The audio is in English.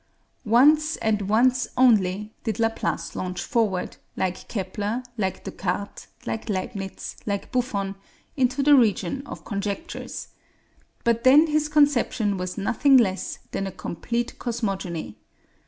Once, and once only, did Laplace launch forward, like Kepler, like Descartes, like Leibnitz, like Buffon, into the region of conjectures. But then his conception was nothing less than a complete cosmogony.